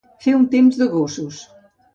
Fer un temps de gossos.